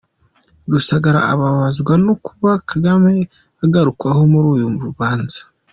Rusagara ababazwa no kuba Kagame agarukwaho muri uru rubanza.